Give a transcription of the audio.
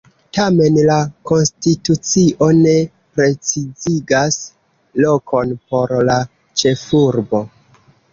Tamen, la konstitucio ne precizigas lokon por la ĉefurbo.